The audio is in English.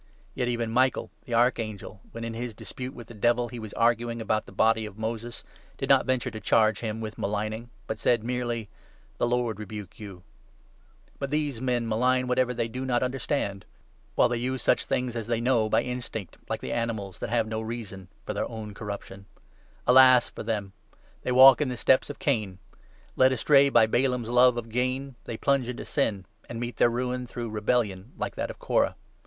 Yet even Michael, the Archangel, when, 9 in his dispute with the Devil, he was arguing about the body of Moses, did not venture to charge him with maligning, but said merely ' The Lord rebuke you !' But these 10 men malign whatever they do not understand ; while they use such things as they know by instinct (like the animals that have no reason) for their own corruption. Alas for them ! 1 1 They walk in the steps of Cain ; led astray by Balaam's love of gain, they plunge into sin, and meet their ruin through rebellion like that of Korah.